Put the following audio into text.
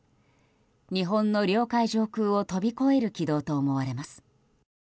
日本の領海上空を飛び越える軌道と思われます。